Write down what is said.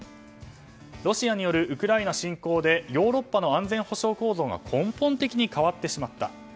ロシアによるウクライナ侵攻でヨーロッパの安全保障構造が根本的に変わってしまった。